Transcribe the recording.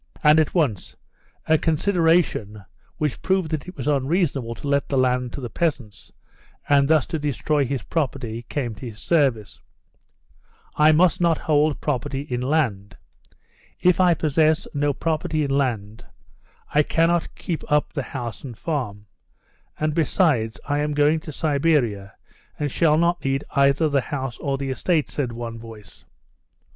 And at once a consideration, which proved that it was unreasonable to let the land to the peasants, and thus to destroy his property, came to his service. "I must not hold property in land. If I possess no property in land, I cannot keep up the house and farm. And, besides, I am going to Siberia, and shall not need either the house or the estate," said one voice.